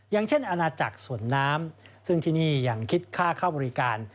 อย่างเช่นอาณาจักรสวนน้ำซึ่งที่นี่ยังคิดค่าเข้าบริการ